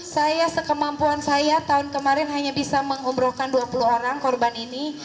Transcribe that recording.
saya sekemampuan saya tahun kemarin hanya bisa mengumrohkan dua puluh orang korban ini